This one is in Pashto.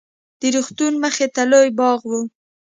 د روغتون مخې ته لوى باغ و.